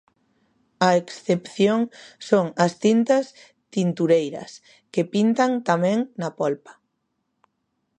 A excepción son as tintas tintureiras, que pintan tamén na polpa.